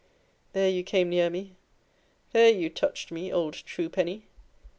There you came near me, there you touched me, old truepenny!